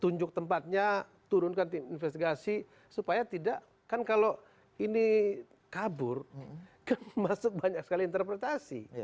tunjuk tempatnya turunkan tim investigasi supaya tidak kan kalau ini kabur kan masuk banyak sekali interpretasi